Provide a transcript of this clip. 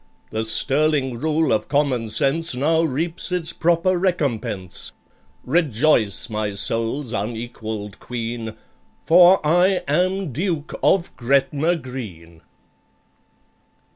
The sterling rule of common sense Now reaps its proper recompense. Rejoice, my soul's unequalled Queen, For I am DUKE OF GRETNA GREEN!"